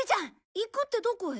行くってどこへ？